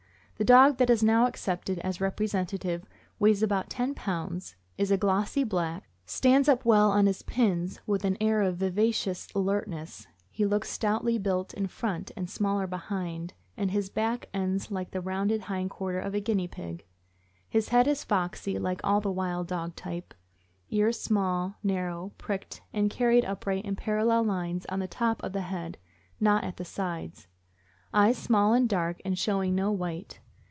The dog that is now accepted as representative weighs about ten pounds, is a glossy black, stands up well on his pins with an air of vivacious alertness; he looks stoutly built in front and smaller behind, and his back ends like the rounded hind quarter of a guinea pig. His head is foxy, like all the wild dog type; ears small, narrow, pricked, and carried upright in parallel lines on the top of the head, not at the sides. Eyes small and dark, and showing no white.